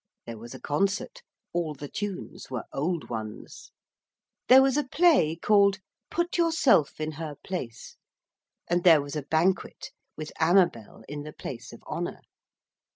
There was a concert all the tunes were old ones. There was a play called Put yourself in her place. And there was a banquet, with Amabel in the place of honour.